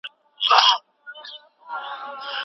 بریالي خلک تل ژمن او با انګېزې وي.